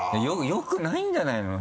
よくないんじゃないの？